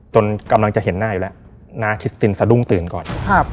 กำลังจะเห็นหน้าอยู่แล้วน่าคิดตินสะดุ้งตื่นก่อน